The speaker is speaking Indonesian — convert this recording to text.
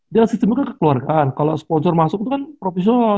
dia sistemnya kekeluargaan kalau sponsor masuk itu kan profesional